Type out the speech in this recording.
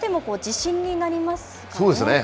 そうですね。